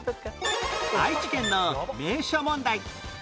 愛知県の名所問題